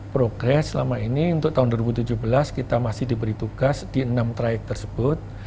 progres selama ini untuk tahun dua ribu tujuh belas kita masih diberi tugas di enam trayek tersebut